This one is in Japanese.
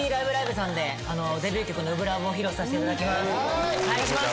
さんでデビュー曲の「初心ＬＯＶＥ」を披露させていただきます